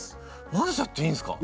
混ぜちゃっていいんですか？